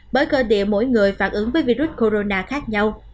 bởi cơ địa mỗi người phản ứng với virus corona khác nhau